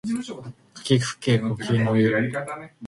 かきくけこきのゆ